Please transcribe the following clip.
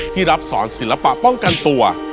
รับสอนศิลปะป้องกันตัว